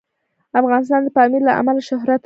افغانستان د پامیر له امله شهرت لري.